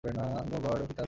ওহ God, ও কি তার রুমে আছে?